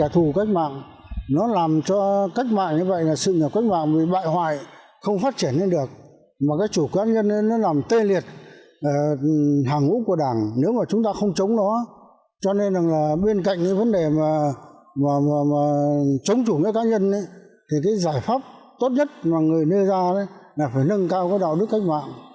tốt nhất mà người nêu ra là phải nâng cao đạo đức cách mạng